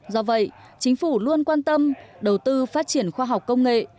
do vậy chính phủ luôn quan tâm đầu tư phát triển khoa học công nghệ